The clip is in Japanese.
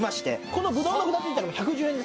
このぶどうの札ついたの１１０円です。